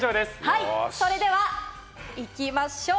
それではいきましょう。